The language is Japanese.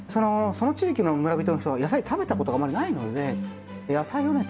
その地域の村人の人は野菜食べたことがあまりないので野菜をね